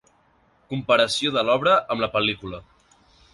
Comparació de l'obra amb la pel•lícula.